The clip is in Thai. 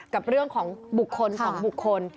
กับเรื่องของบุคคล๒บุคคล